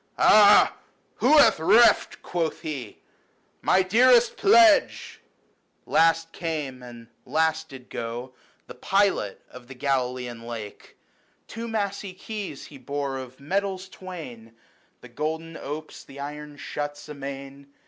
" Ah ! who hath reft," quoth he, " my dearest pledge ?" Last came, and last did go, The Pilot of the Galilean Lake ; Two massy keys he bore of metals twain 110 (The golden opes, the iron shuts amain).